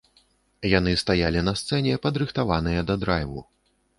Яны стаялі на сцэне, падрыхтаваныя да драйву.